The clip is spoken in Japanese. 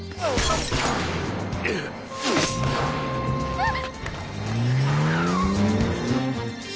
あっ！